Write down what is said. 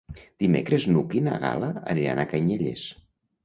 Dimecres n'Hug i na Gal·la aniran a Canyelles.